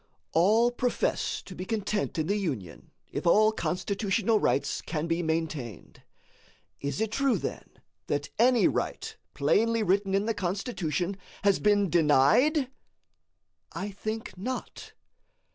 All profess to be content in the Union if all Constitutional rights can be maintained. Is it true, then, that any right, plainly written in the Constitution, has been denied? I think not.